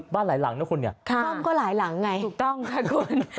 หลายหลังนะคุณเนี่ยซ่อมก็หลายหลังไงถูกต้องค่ะคุณ